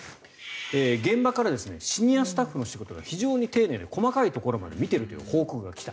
現場からシニアスタッフの仕事が非常に丁寧で細かいところまで見ているという報告が来た。